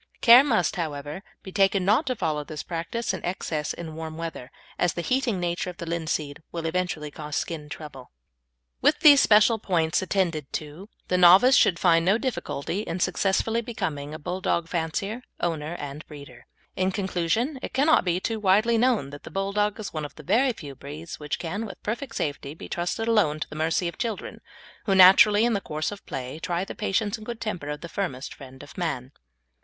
Care must, however, be taken not to follow this practice to excess in warm weather, as the heating nature of the linseed will eventually cause skin trouble. With these special points attended to, the novice should find no difficulty in successfully becoming a Bulldog fancier, owner, and breeder. In conclusion, it cannot be too widely known that the Bulldog is one of the very few breeds which can, with perfect safety, be trusted alone to the mercy of children, who, naturally, in the course of play, try the patience and good temper of the firmest friend of man.